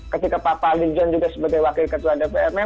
ketika pak adli zon juga sebagai wakil ketua dpr